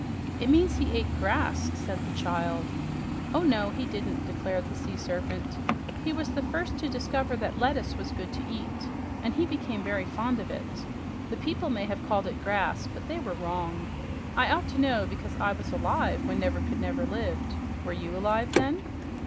"It means he ate grass," said the child. "Oh no, he didn't," declared the Sea Serpent. "He was the first to discover that lettuce was good to eat, and he became very fond of it. The people may have called it grass, but they were wrong. I ought to know, because I was alive when Nevercouldnever lived. Were you alive, then?"